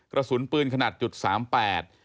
กระสุนปืนขนาดจุด๓๘